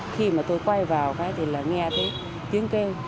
khi mà tôi quay vào thì là nghe tiếng kêu